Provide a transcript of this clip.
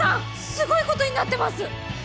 すごいことになってます！